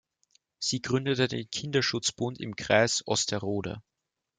Sie gründete den Kinderschutzbund im Kreis Osterode.